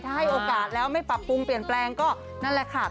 ถ้าให้โอกาสแล้วไม่ปรับปรุงเปลี่ยนแปลงก็นั่นแหละค่ะ